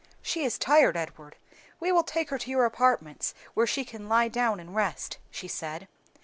"She is tired, Edward; we will take her to your apartments, where she can lie down and rest," she said.